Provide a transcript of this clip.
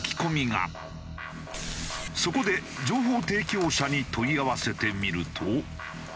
そこで情報提供者に問い合わせてみると。